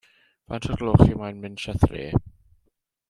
Faint o'r gloch chi moyn mynd sha thre?